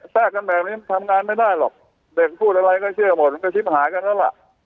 แทรกกันแบบนี้ทำงานไม่ได้หรอกเด็กพูดอะไรก็เชื่อหมดกระชิบหายกันแล้วล่ะ